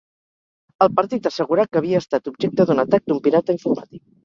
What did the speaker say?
El partit assegurà que havia estat objecte d'un atac d'un pirata informàtic.